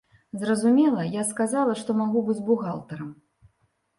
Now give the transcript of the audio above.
Зразумела, я сказала, што магу быць бухгалтарам.